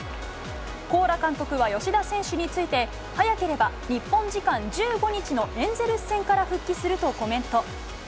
コーラ監督は吉田選手について、早ければ日本時間１５日のエンゼルス戦から復帰するとコメント。